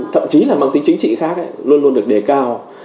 thậm chí là mang tính chính trị khác luôn luôn được đề cao